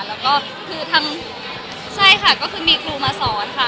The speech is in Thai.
แล้วก็คือทางใช่ค่ะก็คือมีครูมาสอนค่ะ